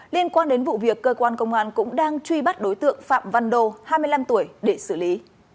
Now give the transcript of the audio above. liên quan đến vụ việc cơ quan công an cũng đang truy bắt đối tượng phạm văn đô hai mươi năm tuổi để xử lý